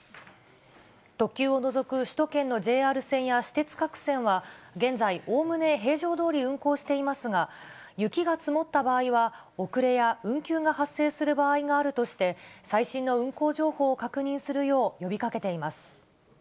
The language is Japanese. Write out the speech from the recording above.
特急を除く首都圏のＪＲ線や私鉄各線は、現在、おおむね平常どおり運行していますが、雪が積もった場合は、遅れや運休が発生する場合があるとして、最新の運行情報を確認するよう呼びかけています。